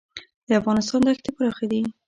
د افغانستان دښتې پراخې دي